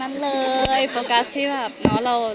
อย่าไปโฟกัสตรงนั้นเลย